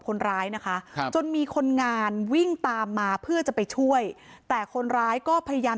คนร้ายนะคะครับจนมีคนงานวิ่งตามมาเพื่อจะไปช่วยแต่คนร้ายก็พยายาม